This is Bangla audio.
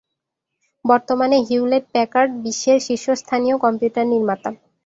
বর্তমানে হিউলেট প্যাকার্ড বিশ্বের শীর্ষস্থানীয় কম্পিউটার নির্মাতা।